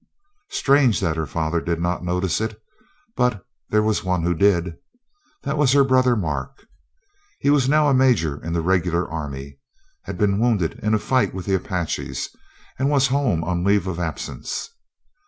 Strange that her father did not notice it, but there was one who did. That was her brother Mark. He was now a major in the Regular Army, had been wounded in a fight with the Apaches, and was home on leave of absence.